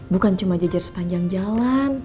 bukan cuma jejer sepanjang jalan